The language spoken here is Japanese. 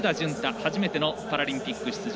初めてのパラリンピック出場。